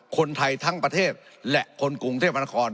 คนไทยทั้งประเทศและคนกรุงเทพมนาคม